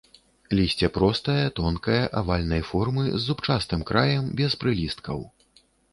Лісце простае, тонкае, авальнай формы, з зубчастым краем, без прылісткаў.